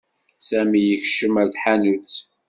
Sami yekcem ar tḥanutt.